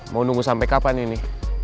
mau nunggu sampai kapan ini